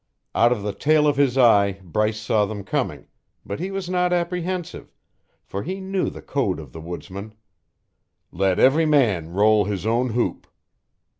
Out of the tail of his eye Bryce saw them coming, but he was not apprehensive, for he knew the code of the woodsman: "Let every man roll his own hoop."